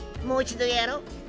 もう一度やろう。